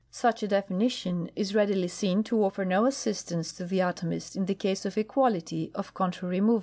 Such a definition is readily seen to offer no assist ance to the atomist in the case of equality of contrary movements.